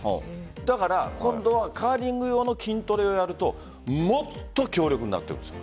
だから今度はカーリング用の筋トレをやるともっと強力になると思うんです。